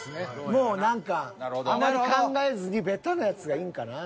もう何かあまり考えずにベタなやつがいいんかな。